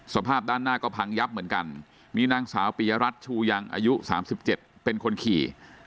สภาพด้านหน้าก็พังยับเหมือนกันนี่นางสาวปียรัตน์ชูยังอายุสามสิบเจ็บเป็นคนขี่